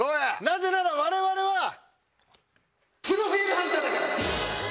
なぜなら我々はプロフィールハンターだから。